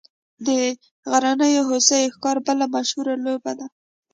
د غرنیو هوسیو ښکار بله مشهوره لوبه ده